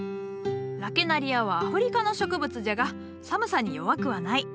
ラケナリアはアフリカの植物じゃが寒さに弱くはない。